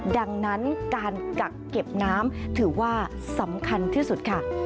ดังนั้นการกักเก็บน้ำถือว่าสำคัญที่สุดค่ะ